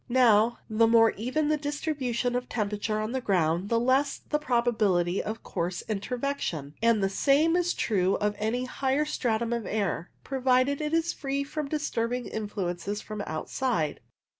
Now, the more even the distribution of tempe rature on the ground the less the probability of coarse interconvection, and the same is true of any higher stratum of air, provided it is free from disturbing influences from outside.